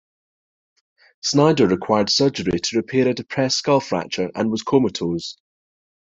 Snyder required surgery to repair a depressed skull fracture and was comatose.